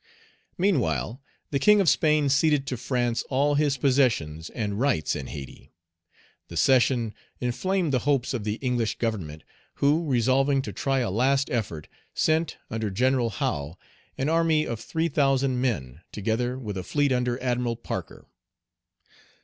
Meanwhile, the king of Spain ceded to France all his possessions and rights in Hayti. The cession inflamed the hopes of the English government, who, resolving to try a last effort, sent, under General Howe, an army of three thousand men, together with a fleet under Admiral Parker.